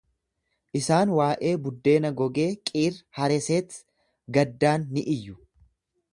Isaan waa'ee buddeena gogee Qiir-hareset gaddaan ni iyyu.